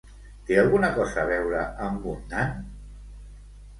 Té alguna cosa a veure amb un nan?